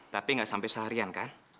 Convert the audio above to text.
tapi nggak sampai seharian kan